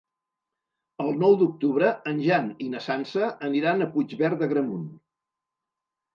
El nou d'octubre en Jan i na Sança aniran a Puigverd d'Agramunt.